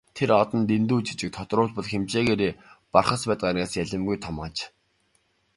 Тэр од нь дэндүү жижиг, тодруулбал хэмжээгээрээ Бархасбадь гаригаас ялимгүй том аж.